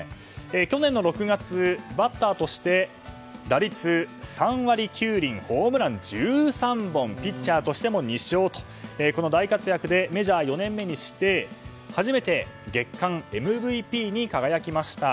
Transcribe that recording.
去年の６月、バッターとして打率３割９厘ホームラン１３本ピッチャーとしても２勝とこの大活躍でメジャー４年目にして初めて月間ＭＶＰに輝きました。